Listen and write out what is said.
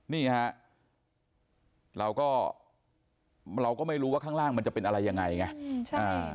นี่ฮะเราก็เราก็ไม่รู้ว่าข้างล่างมันจะเป็นอะไรยังไงไง